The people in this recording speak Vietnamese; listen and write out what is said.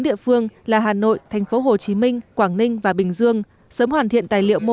địa phương là hà nội thành phố hồ chí minh quảng ninh và bình dương sớm hoàn thiện tài liệu mô